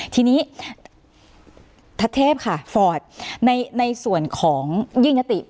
ทีนี้ทัศเทพค่ะฟอร์ตในส่วนของยื่นยติ